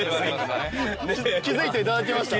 気付いていただけました？